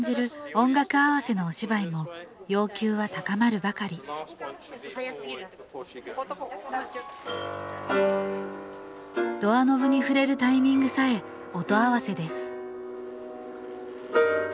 音楽合わせのお芝居も要求は高まるばかりドアノブに触れるタイミングさえ音合わせです